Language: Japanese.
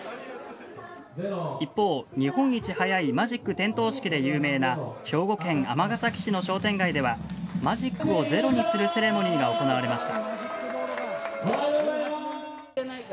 一方日本一早いマジック点灯式で有名な兵庫県尼崎市の商店街ではマジックをゼロにするセレモニーが行われました。